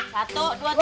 satu dua tiga